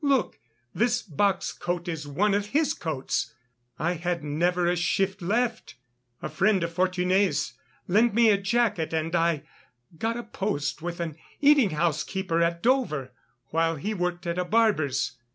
Look, this box coat is one of his coats. I had never a shift left. A friend of Fortuné's lent me a jacket and I got a post with an eating house keeper at Dover, while he worked at a barber's.